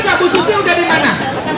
bu susi udah dimana